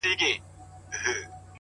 كه غمازان كه رقيبان وي خو چي ته يـې پكې.